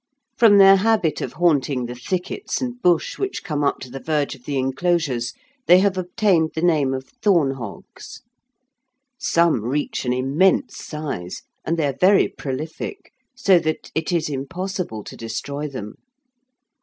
From their habit of haunting the thickets and bush which come up to the verge of the enclosures, they have obtained the name of thorn hogs. Some reach an immense size, and they are very prolific, so that it is impossible to destroy them.